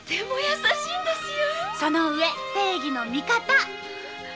そのうえ正義の味方。